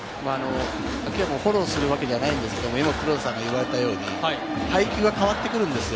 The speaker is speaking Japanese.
秋山をフォローするわけじゃないんですけれど、今、黒田さんが言われたように配球が変わってくるんですよ。